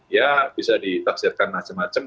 ya bisa ditafsirkan